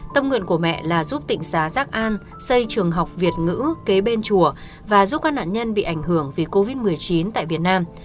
tâm nguyện của mẹ là giúp tỉnh xá giác an xây trường học việt ngữ kế bên chùa và giúp các nạn nhân bị ảnh hưởng vì covid một mươi chín tại việt nam